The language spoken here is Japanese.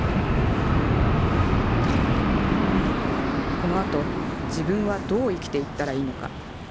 このあと自分はどう生きていったらいいのか。